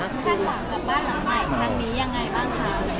คาดหวังกับบ้านหลังใหม่ครั้งนี้ยังไงบ้างคะ